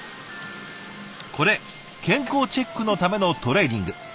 これ健康チェックのためのトレーニング。